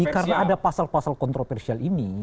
karena ada pasal pasal kontroversial ini